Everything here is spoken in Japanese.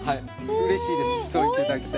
うれしいですそう言って頂けて。